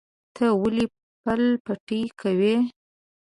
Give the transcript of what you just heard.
ته ولې پل پتی کوې؟